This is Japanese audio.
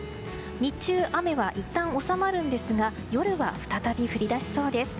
日中、雨はいったん収まるんですが夜は再び降り出しそうです。